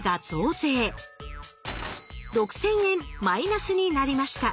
６，０００円マイナスになりました。